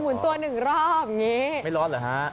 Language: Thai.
อ่ะหมุนตัว๑รอบไม่ร้อนเหรอฮะ